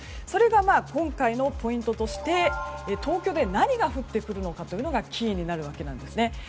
それが今回のポイントとして東京で何が降ってくるのかというのがキーになるわけなんですね。